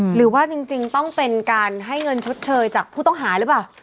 หรือว่าจริงต้องเป็นการให้เงินชดเชยจากผู้ต้องหาหรือเปล่า